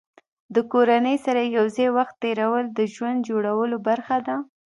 د کورنۍ سره یو ځای وخت تېرول د ژوند جوړولو برخه ده.